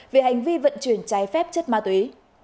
về hành vi vận chuyển trái phép chất ma túy